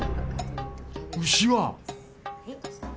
牛は？